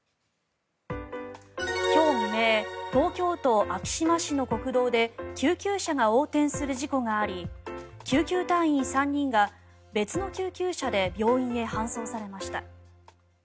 今日未明東京都昭島市の国道で救急車が横転する事故があり救急隊員３人が別の救急車で病院へ搬送されました。